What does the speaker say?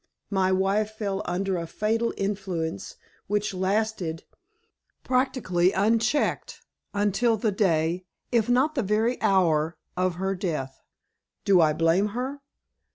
My wife fell under a fatal influence which lasted, practically unchecked, until the day, if not the very hour, of her death. Do I blame her?